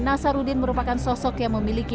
nasaruddin merupakan sosok yang memiliki